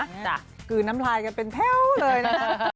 จ้ะคือน้ำลายกันเป็นแพ้วเลยนะ